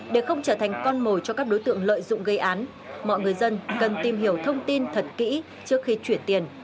để không trở thành con mồi cho các đối tượng lợi dụng gây án mọi người dân cần tìm hiểu thông tin thật kỹ trước khi chuyển tiền